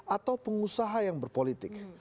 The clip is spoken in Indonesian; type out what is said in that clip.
atau pengusaha yang berpolitik